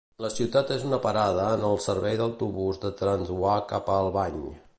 La ciutat és una parada en el servei d'autobús de Transwa cap a Albany.